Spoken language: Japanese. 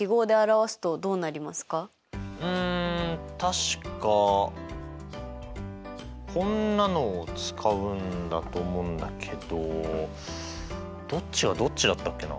うん確かこんなのを使うんだと思うんだけどどっちがどっちだったっけな？